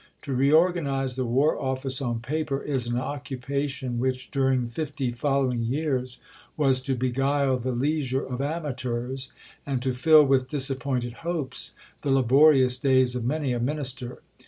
To reorganize the War Office on paper is an occupation which, during fifty following years, was to beguile the leisure of amateurs, and to fill with disappointed hopes the laborious days of many a Minister.